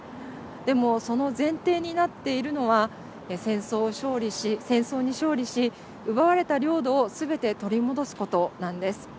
でも、その前提になっているのは戦争に勝利し奪われた領土をすべて取り戻すことなんです。